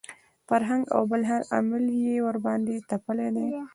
فرهنګ او بل هر عامل یې ورباندې تپلي دي.